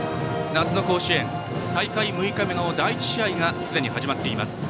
夏の甲子園大会６日目の第１試合がすでに始まっています。